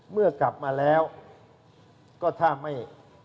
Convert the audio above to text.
เมื่อกลับมาแล้วก็ถ้าไม่